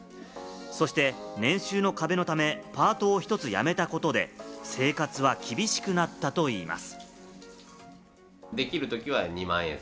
そして年収の壁のためパートを１つやめたことで、生活が厳しくなったといいます。